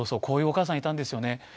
こういうお母さんいたんですよね。